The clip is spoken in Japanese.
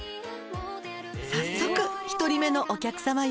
「早速１人目のお客さまよ」